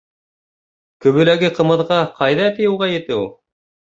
Көбөләге ҡымыҙға ҡайҙа ти уға етеү!..